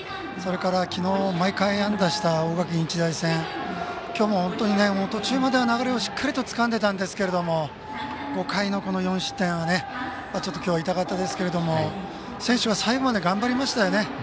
それからきのう毎回安打した大垣日大戦きょうも本当に途中までは流れをつかんでたんですけれども５回の４失点はちょっときょうは痛かったですが選手は最後まで頑張りましたよね。